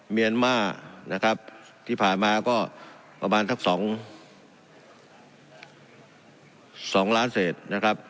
เมียนมานะครับที่ผ่านมาก็ประมาณสัก๒ล้านเศษนะครับ